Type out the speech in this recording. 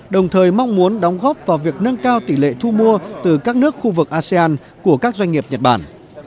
đồng thời mong muốn đóng góp vào việc nâng cao tỷ lệ thu mua từ các nước khu vực asean của các doanh nghiệp nhật bản